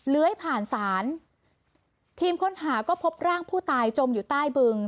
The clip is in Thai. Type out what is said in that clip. ให้ผ่านศาลทีมค้นหาก็พบร่างผู้ตายจมอยู่ใต้บึง